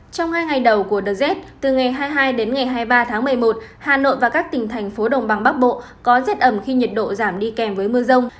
trong hai ngày đầu của đợt rét từ ngày hai mươi hai đến ngày hai mươi ba tháng một mươi một hà nội và các tỉnh thành phố đồng bằng bắc bộ có rét ẩm khi nhiệt độ giảm đi kèm với mưa rông